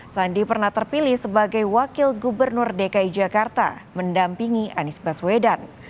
sandi pernah terpilih sebagai wakil gubernur dki jakarta mendampingi anies baswedan